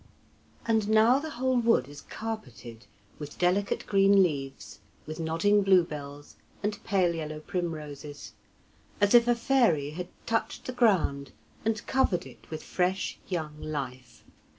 And now the whole wood is carpeted with delicate green leaves, with nodding bluebells, and pale yellow primroses, as if a fairy had touched the ground and covered it with fresh young life.